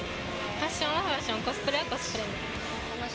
ファッションはファッション、コスプレはコスプレ。